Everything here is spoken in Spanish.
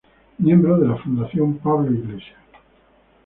Miembro de la Fundación Pablo Iglesias.